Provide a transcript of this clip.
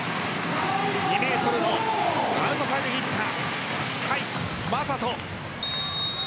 ２ｍのアウトサイドヒッター甲斐優斗。